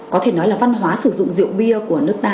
có thể nói là văn hóa sử dụng rượu bia của nước ta